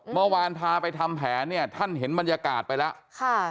เมื่อวานทาไปทำแผลเนี่ยท่านเห็นบรรยากาศไปแล้ว